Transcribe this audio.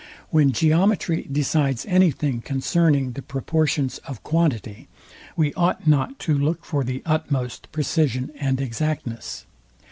When geometry decides anything concerning the proportions of quantity, we ought not to look for the utmost precision and exactness.